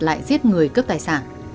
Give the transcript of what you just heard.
lại giết người cướp tài sản